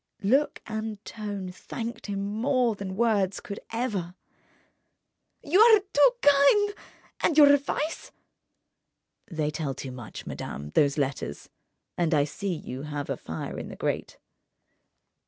Look and tone thanked him more than words could ever. "You are too kind! And your advice—?" "They tell too much, madame, those letters. And I see you have a fire in the grate